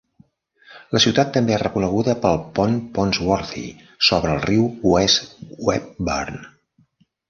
La ciutat també és reconeguda pel pont Ponsworthy sobre el riu West Webburn.